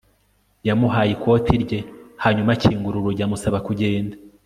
Yamuhaye ikoti rye hanyuma akingura urugi amusaba kugenda